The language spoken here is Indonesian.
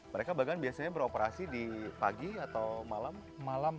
mereka bagan biasanya beroperasi di pagi atau malam